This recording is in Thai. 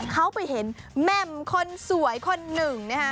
เขาไปเห็นแหม่มคนสวยคนหนึ่งนะฮะ